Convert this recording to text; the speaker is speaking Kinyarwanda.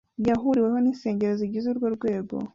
yahuriweho n’ insengero zigize urwo rwego